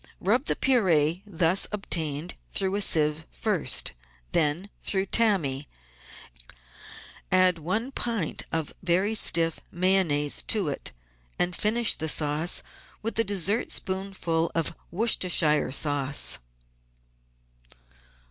Rub the pur^e thus obtained through a sieve first, then through tammy, add one pint of very stiff Mayonnaise to it, and finish the sauce with a dessertspoonful of Worcestershire sauce.